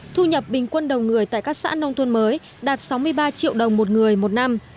thu nhập bình quân đầu người tại các xã nông thôn mới đạt sáu mươi ba triệu đồng một người một năm